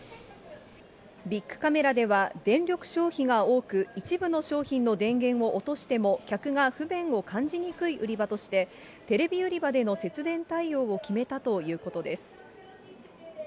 ビックカメラでは電力消費が多く、一部の商品の電源を落としても客が不便を感じにくい売り場として、テレビ売り場での節電対応を決めたということです。